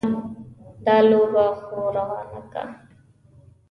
دا لوبه خو ورانه که.